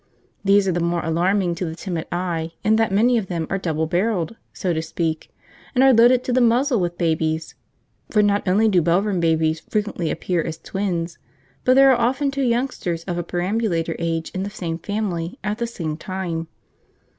These are the more alarming to the timid eye in that many of them are double barrelled, so to speak, and are loaded to the muzzle with babies; for not only do Belvern babies frequently appear as twins, but there are often two youngsters of a perambulator age in the same family at the same time.